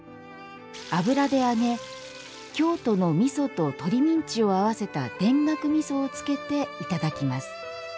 油で揚げ、京都のみそと鶏ミンチを合わせた田楽みそをつけていただきます。